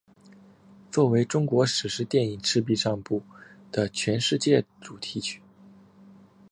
作为中国史诗电影赤壁上部的全世界主题曲。